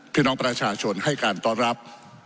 พี่น้องประชาชนให้การต้อนรับ